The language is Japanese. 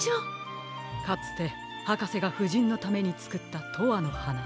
かつてはかせがふじんのためにつくった「とわのはな」。